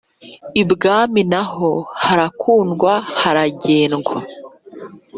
Ibwami na ho harakundwa haragendwa.